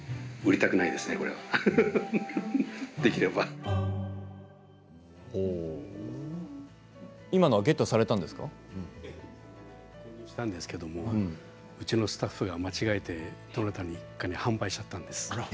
購入したんですけどうちのスタッフが間違えてどなたかに販売しちゃったんです。